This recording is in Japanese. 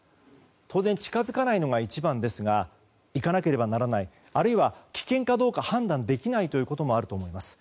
当然、近づかないのが一番ですが行かなければならないあるいは、危険かどうか判断できないということもあると思います。